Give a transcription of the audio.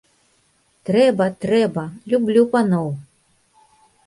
Трэба, трэба, люблю паноў!